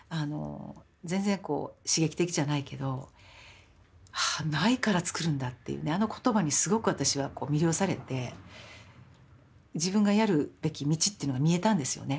全然こう刺激的じゃないけど「ないからつくるんだ」っていうあの言葉にすごく私は魅了されて自分がやるべき道っていうのが見えたんですよね。